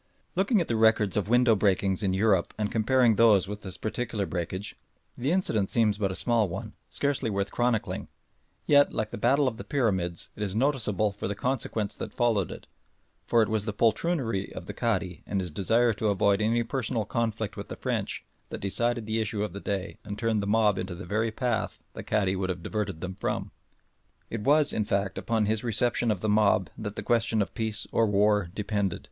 Looking at the records of window breakings in Europe and comparing those with this particular breakage, the incident seems but a small one, scarcely worth chronicling, yet, like the battle of the Pyramids, it is noticeable for the consequence that followed it, for it was the poltroonery of the Cadi and his desire to avoid any personal conflict with the French that decided the issue of the day and turned the mob into the very path the Cadi would have diverted them from. It was, in fact, upon his reception of the mob that the question of peace or war depended.